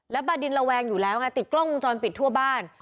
แล้วบาดินระแวงอยู่แล้วไงติดกล้องวงจรปิดทั่วบ้าน